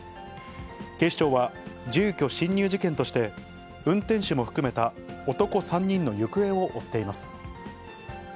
警視庁は住居侵入事件として、運転手も含めた男３人の行方を追っています。